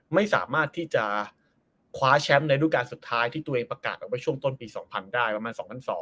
ไม่สามารถที่จะคว้าแชมป์ในรูปการณ์สุดท้ายที่ตัวเองประกาศเอาไว้ช่วงต้นปี๒๐๐ได้ประมาณ๒๐๐๒